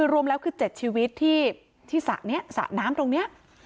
รวมแล้วคือ๗ชีวิตที่สระนี้สระน้ำตรงนี้